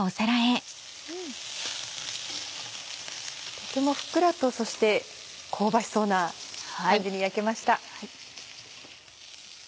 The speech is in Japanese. とてもふっくらとそして香ばしそうな感じに焼けました。